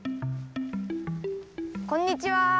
こんにちは。